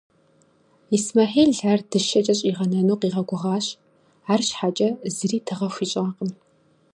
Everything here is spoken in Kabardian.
Исмэхьил ар дыщэкӀэ щӀигъэнэну къигъэгугъащ, арщхьэкӀэ зыри тыгъэ хуищӀакъым.